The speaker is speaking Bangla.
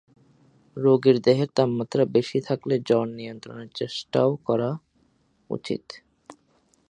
রোগীর দেহের তাপমাত্রা বেশি থাকলে জ্বর নিয়ন্ত্রণের চেষ্টাও করা উচিত।